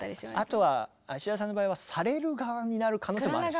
あとは田さんの場合はされる側になる可能性もあるしね。